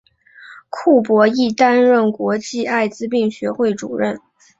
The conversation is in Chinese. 库珀亦担任过国际艾滋病学会主席。